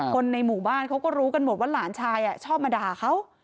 คนในหมู่บ้านเขาก็รู้กันหมดว่าหลานชายชอบมาด่าเขา